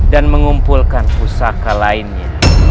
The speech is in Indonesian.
dan mengumpulkan pusaka lainnya